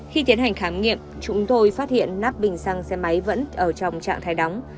khi tiến hành khám nghiệm chúng tôi phát hiện nắp bình xăng xe máy vẫn ở trong trạng thái đóng